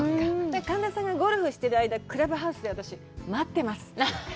神田さんがゴルフしている間、クラブハウスで待ってます。